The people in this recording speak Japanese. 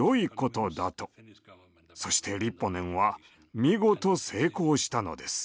そしてリッポネンは見事成功したのです。